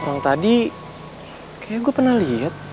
orang tadi kayaknya gue pernah lihat